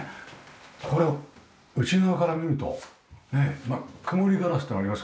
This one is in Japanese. これ内側から見るとねえ曇りガラスっていうのはありますけど。